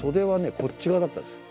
こっち側だったんです。